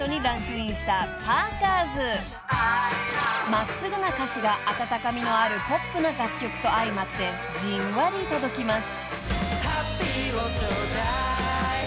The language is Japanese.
［真っすぐな歌詞が温かみのあるポップな楽曲と相まってじんわり届きます］